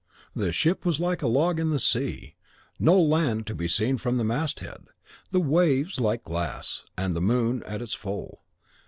The ship was like a log in the sea, no land to be seen from the mast head, the waves like glass, and the moon at its full.